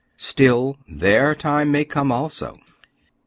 Still, their time may come also.